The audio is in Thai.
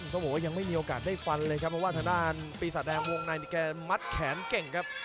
ต้องบอกว่ายังไม่มีโอกาสได้ฟันเลยครับเพราะว่าทางด้านปีศาจแดงวงในนี่แกมัดแขนเก่งครับ